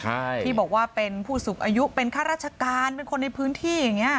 ใช่ที่บอกว่าเป็นผู้สูงอายุเป็นข้าราชการเป็นคนในพื้นที่อย่างเงี้